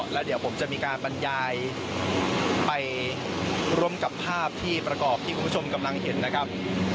แล้วเดี๋ยวผมจะมีการบรรยายไปร่วมกับภาพที่ประกอบที่คุณผู้ชมกำลังเห็นนะครับ